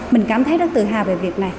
mình cảm thấy rất tự hào về việc này